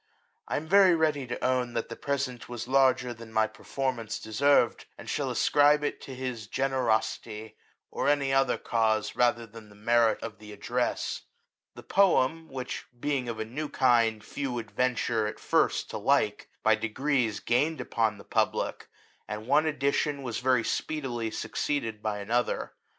I am very ready to own that the present •• was larger than my performance deserved ; l^ and shall ascribe it to his generosity, or LIFE OF THOMSON XI any other cause, rather than the merit of ^* the address/' The poem, which, being of a new kind, few would venture at first to like, by degrees gained upon the public; and one edition was very speedily succeeded by another.